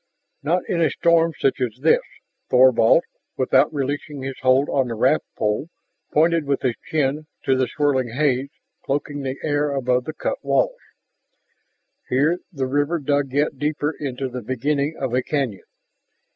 "Not in a storm such as this." Thorvald, without releasing his hold on the raft pole, pointed with his chin to the swirling haze cloaking the air above the cut walls. Here the river dug yet deeper into the beginning of a canyon.